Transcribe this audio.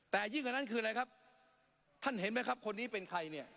แต่ยิ่งกว่านั้นคืออะไรครับท่านเห็นไหมครับคนนี้เป็นใครเนี่ย